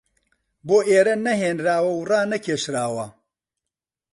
بۆ ئێرە نەهێنراوە و ڕانەکێشراوە